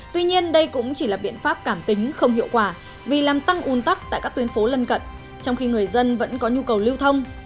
tuy nhiên đây cũng chỉ là biện pháp cảm tính không hiệu quả vì làm tăng un tắc tại các tuyến phố lân cận trong khi người dân vẫn có nhu cầu lưu thông